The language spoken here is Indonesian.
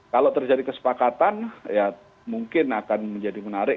kalau terjadi kesepakatan ya mungkin akan menjadi menarik